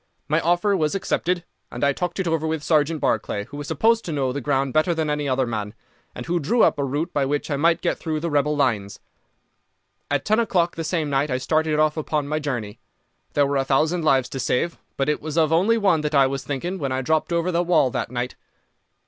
My offer was accepted, and I talked it over with Sergeant Barclay, who was supposed to know the ground better than any other man, and who drew up a route by which I might get through the rebel lines. At ten o'clock the same night I started off upon my journey. There were a thousand lives to save, but it was of only one that I was thinking when I dropped over the wall that night.